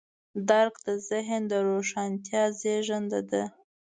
درک د ذهن د روښانتیا زېږنده دی.